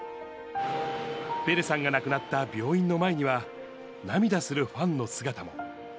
ペレさんが亡くなった病院の前には、涙するファンの姿も。